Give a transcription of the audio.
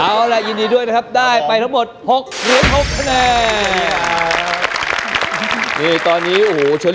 เอาล่ะยินดีด้วยนะครับได้ไปทั้งหมด๖หรือ๖แน่นี่ตอนนี้โอ้โห